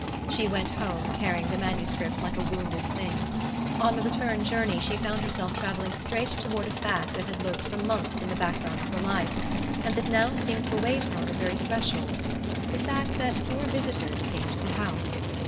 She went home carrying the manuscript like a wounded thing. On the return journey she found herself travelling straight toward a fact that had lurked for months in the background of her life, and that now seemed to await her on the very threshold: the fact that fewer visitors came to the House.